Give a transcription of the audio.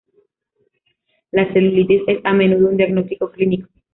La celulitis es a menudo un diagnóstico clínico.